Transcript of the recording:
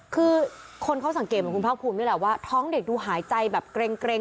คือคนเขาสังเกตเหมือนคุณภาคภูมินี่แหละว่าท้องเด็กดูหายใจแบบเกร็ง